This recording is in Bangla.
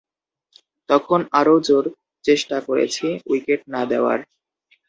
তখন আরও জোর চেষ্টা করেছি উইকেট না দেওয়ার।